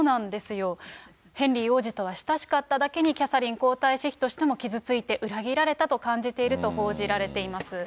ヘンリー王子とは親しかっただけに、キャサリン皇太子妃としては傷ついて、裏切られたと感じていると報じられています。